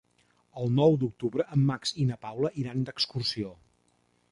El nou d'octubre en Max i na Paula iran d'excursió.